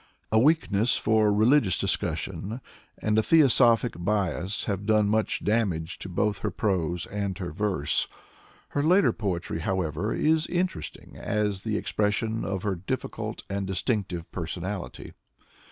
A weakness for religious discussion and a theosophic bias have done much damage to both her prose and her verse. Her later poetry, however, is interesting as the expression of her difficult and distinctive personality.